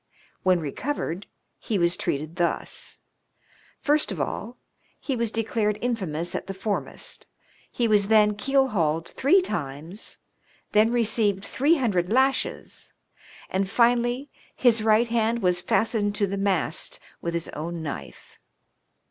When recovered, he was treated thus : First of all, he was declared infamous at the foremast ; he was then keel hauled three times ; then received three hundred lashes ; and finally, his right hand was fastened to the mast with his own knife.